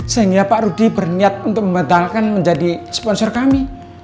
sehingga pak rudi berniat untuk membatalkan menjadi sponsor kami